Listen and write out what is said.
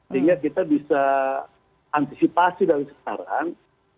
sehingga kita bisa antisipasi dari sekarang